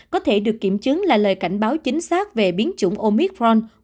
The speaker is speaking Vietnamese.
có thể được kiểm chứng là lời cảnh báo chính xác về biến chủng omicron